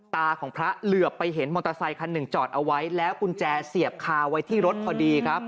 ตาของพระเหลือไปเห็นมอเตอร์ไซคันหนึ่งจอดเอาไว้แล้วกุญแจเสียบคาไว้ที่รถพอดีครับ